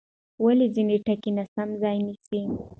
ولې ځینې ټکي ناسم ځای نیسي؟